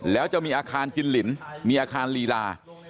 แล้วจะมีอาคารกินลินมีอาคารลีลา